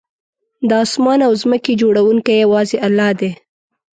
د آسمان او ځمکې جوړونکی یوازې الله دی